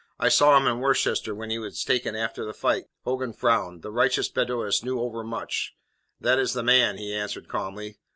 I saw him in Worcester when he was taken after the fight." Hogan frowned. The righteous Beddoes knew overmuch. "That is the man," he answered calmly.